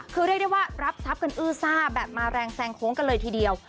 คือเรียกได้ว่ารับทรัพย์กันอื้อซ่าแบบมาแรงแซงโค้งกันเลยทีเดียว